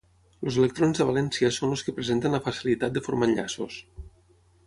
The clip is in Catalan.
Els electrons de valència són els que presenten la facilitat de formar enllaços.